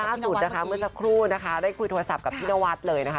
ล่าสุดนะคะเมื่อสักครู่นะคะได้คุยโทรศัพท์กับพี่นวัดเลยนะคะ